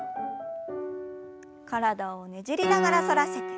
体をねじりながら反らせて。